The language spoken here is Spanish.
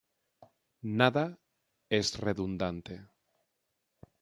Nada es redundante.